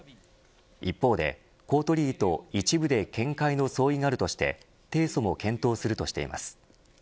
一方で公取委と一部で見解の相違があるとして提訴も検討するとしています。